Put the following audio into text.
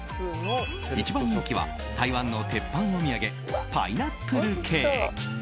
一番人気は、台湾の鉄板お土産パイナップルケーキ。